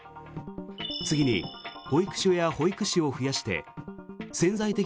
次に保育所や保育士を増やして潜在的